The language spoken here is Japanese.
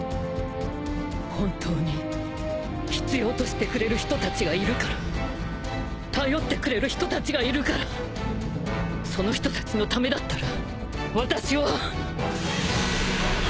本当に必要としてくれる人たちがいるから頼ってくれる人たちがいるからその人たちのためだったら私は。